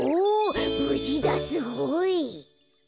ぶじだすごい。